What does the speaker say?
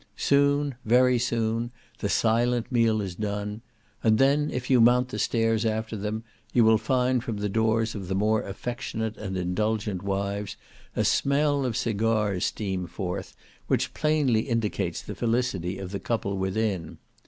Soon, very soon, the silent meal is done, and then, if you mount the stairs after them, you will find from the doors of the more affectionate and indulgent wives, a smell of cigars steam forth, which plainly indicates the felicity of the couple within.